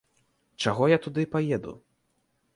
Чаго я туды паеду?